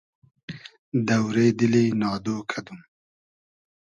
دۆرې دیلی نادۉ کئدوم